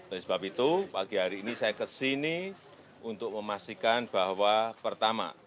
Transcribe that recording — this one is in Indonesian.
oleh sebab itu pagi hari ini saya kesini untuk memastikan bahwa pertama